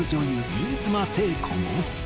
新妻聖子も。